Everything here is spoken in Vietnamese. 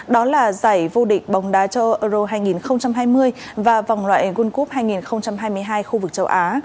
đó là giải vô địch bóng đá châu âu euro hai nghìn hai mươi và vòng loại world cup hai nghìn hai mươi hai khu vực châu á